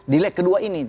di leg kedua ini